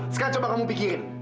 sekarang coba kamu pikirin